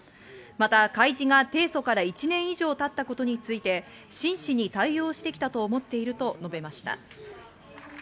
また開示が提訴から１年以上経ったことについて真摯に対応してきたと思っていると述べました。